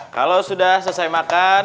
kalau sudah selesai makan